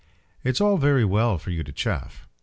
"It's all very well for you to chaff."